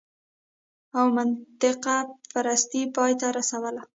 او منطقه پرستۍ پای ته رسول